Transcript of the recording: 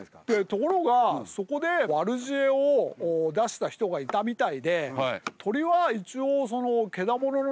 ところがそこで悪知恵を出した人がいたみたいでえ？